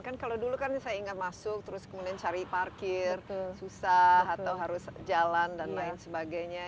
kan kalau dulu kan saya ingat masuk terus kemudian cari parkir susah atau harus jalan dan lain sebagainya